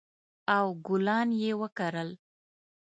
او ګلان یې وکرل